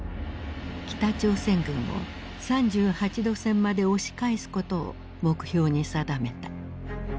北朝鮮軍を３８度線まで押し返すことを目標に定めた。